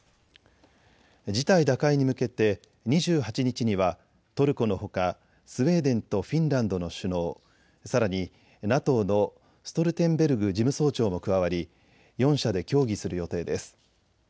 事態打開に向けて２８日にはトルコのほかスウェーデンとフィンランドの首脳、さらにＮＡＴＯのストルテンベルグ事務総長も加わり４者で協議する予定です。